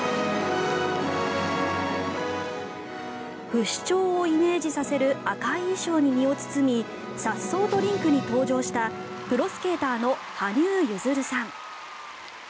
不死鳥をイメージさせる赤い衣装に身を包みさっそうとリンクに登場したプロスケーターの羽生結弦さん。